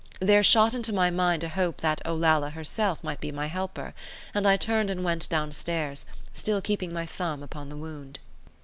There shot into my mind a hope that Olalla herself might be my helper, and I turned and went down stairs, still keeping my thumb upon the wound.